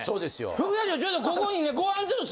副社長ちょっとここにね。